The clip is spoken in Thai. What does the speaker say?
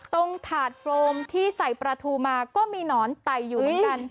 ถาดโฟมที่ใส่ปลาทูมาก็มีหนอนไต่อยู่เหมือนกัน